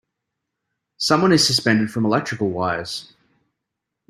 Someone is suspended from electrical wires.